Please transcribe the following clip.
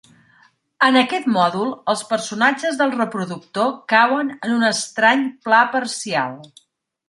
En aquest mòdul, els personatges del reproductor cauen en un estrany pla parcial.